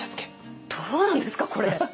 どうなんですかこれ！